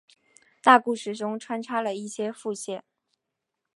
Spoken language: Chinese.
大故事中穿插了一些副线。